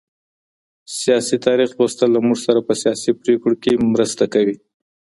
سياسي تاريخ لوستل له موږ سره په سياسي پرېکړو کي مرسته کوي.